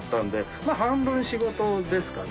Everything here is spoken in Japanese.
まあ半分仕事ですかね。